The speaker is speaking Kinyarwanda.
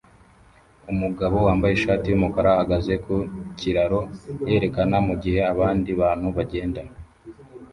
Umugabo wambaye ishati yumukara ahagaze ku kiraro yerekana mugihe abandi bantu bagenda